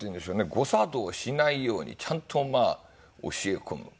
誤作動をしないようにちゃんと教え込む。